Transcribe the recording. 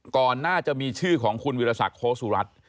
ก่อนน่าจะมีชื่อของคุณวิทยศักดิ์โฆษูรัติ